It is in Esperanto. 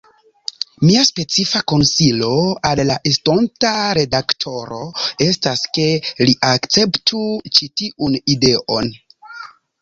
Mia specifa konsilo al la estonta redaktoro estas, ke li akceptu ĉi tiun ideon.